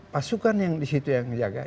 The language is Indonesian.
pasukan yang disitu yang menjaga